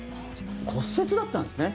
骨折だったんですね。